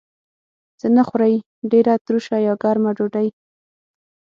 څه نه خورئ؟ ډیره تروشه یا ګرمه ډوډۍ